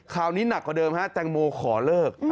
นี้หนักกว่าเดิมฮะแตงโมขอเลิก